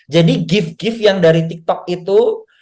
jadi gift gift yang dari tiktok itu